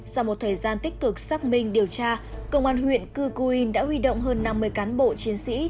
sau một thời gian tích cực xác minh điều tra công an huyện cư cu yên đã huy động hơn năm mươi cán bộ chiến sĩ